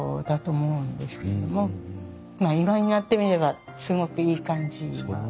まあ今になってみればすごくいい感じ。